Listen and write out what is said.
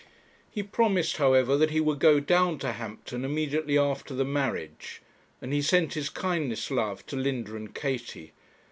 He promised, however, that he would go down to Hampton immediately after the marriage, and he sent his kindest love to Linda and Katie.